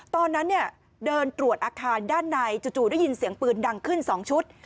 ตอนนั้นเดินตรวจอาคารด้านในจู่ได้ยินเสียงปืนดังขึ้น๒ชุด